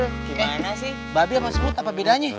gimana sih babi apa semut apa bedanya